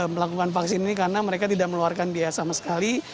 melakukan vaksin ini karena mereka tidak meluarkan biaya sama sekali